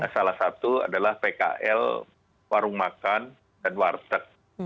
salah satu adalah pkl warung makan dan warteg